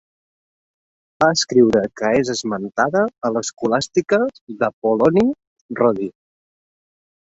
Va escriure que és esmentada a l'escolàstica d'Apol·loni Rodi.